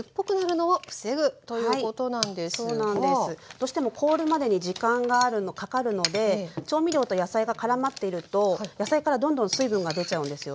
どうしても凍るまでに時間がかかるので調味料と野菜がからまっていると野菜からどんどん水分が出ちゃうんですよね。